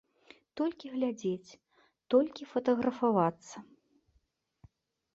Толькі глядзець, толькі фатаграфавацца.